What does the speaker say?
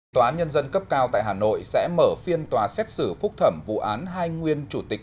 tòa án nhân dân cấp cao tại hà nội sẽ mở phiên tòa xét xử phúc thẩm vụ án hai nguyên chủ tịch